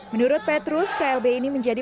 menurut petrus klb ini menjadi